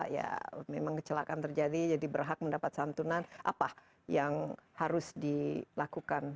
ya memang kecelakaan terjadi jadi berhak mendapat santunan apa yang harus dilakukan